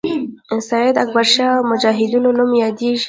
سید اکبرشاه او مجاهدینو نوم یادیږي.